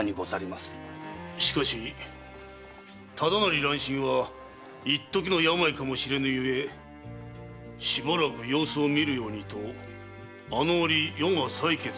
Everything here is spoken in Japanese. しかし忠成乱心は一時の病かもしれぬゆえしばらく様子を見るようにとあの折余が裁決をしたはずだが？